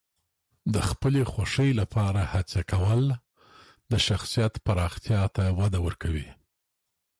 د خپلې خوښې لپاره هڅې کول د شخصیت پراختیا ته وده ورکوي.